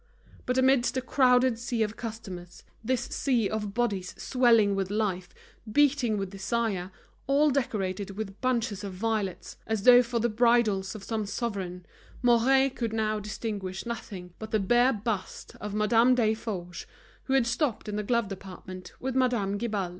But amidst the crowded sea of customers, this sea of bodies swelling with life, beating with desire, all decorated with bunches of violets, as though for the bridals of some sovereign, Mouret could now distinguish nothing but the bare bust of Madame Desforges, who had stopped in the glove department with Madame Guibal.